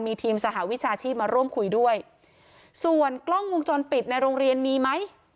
มีทีมสหวิชาชีพมาร่วมคุยด้วยส่วนกล้องวงจรปิดในโรงเรียนมีไหม